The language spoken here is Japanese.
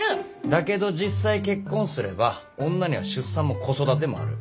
だけど実際結婚すれば女には出産も子育てもある。